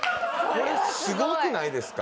これすごくないですか？